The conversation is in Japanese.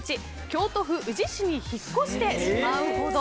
京都府宇治市に引っ越してしまうほど。